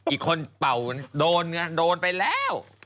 อีกคนเป่าโดนไงโดนไปแล้ว